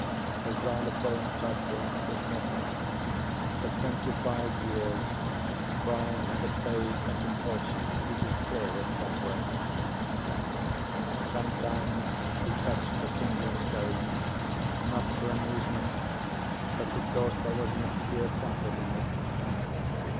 The xylophone type rack was modern; for twenty five years, Brian had obeyed a compulsion to keep it clear of cobwebs. Sometimes he touched the singing stones, not for amusement, but because there was an obscure comfort in it.